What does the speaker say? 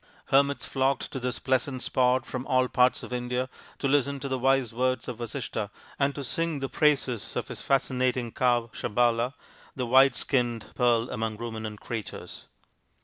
Hermits flocked to this pleasant spot from all parts of India to listen to the wise words of Vasishtha and to sing the praises of his fascinating cow, Sabala, the white skinned Pearl among Ruminant Creatures.